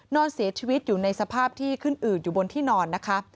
นอนเสียชีวิตอยู่ในสภาพที่ขึ้นอืดอยู่บนที่นอนนะคะ